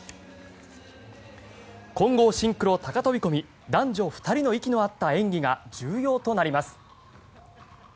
混合シンクロ高飛込男女２人の息の合った演技が重要となります。